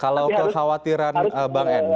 kalau kekhawatiran bang enda